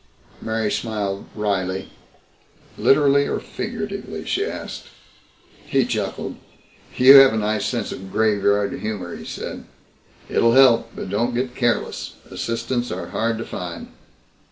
Mary smiled wryly. "Literally or figuratively?" she asked. He chuckled. "You have a nice sense of graveyard humor," he said. "It'll help. But don't get careless. Assistants are hard to find."